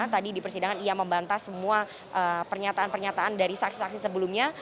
tadi di persidangan ia membantah semua pernyataan pernyataan dari saksi saksi sebelumnya